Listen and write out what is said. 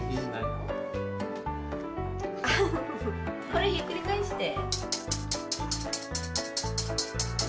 これひっくり返して。